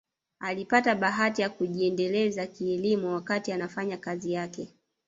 Alipata bahati ya kujiendeleza kielimu wakati anafanya kazi yake